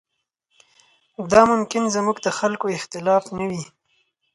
دا ممکن زموږ د خلکو اختلاف نه وي.